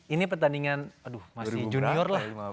ini pertandingan aduh masih junior lah